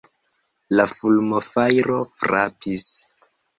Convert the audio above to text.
La fulmofajro frapis.